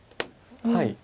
はい。